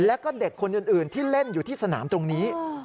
แล้วก็เด็กคนอื่นที่เล่นอยู่ที่สนามตรงนี้